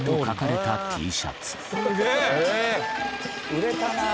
売れたな。